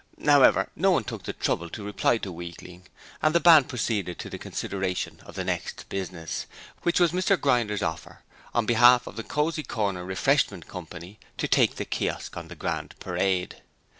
However, no one took the trouble to reply to Weakling, and the Band proceeded to the consideration of the next business, which was Mr Grinder's offer on behalf of the 'Cosy Corner Refreshment Company' to take the Kiosk on the Grand Parade.